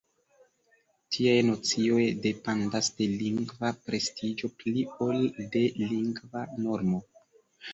Tiaj nocioj dependas de lingva prestiĝo pli ol de lingva normo.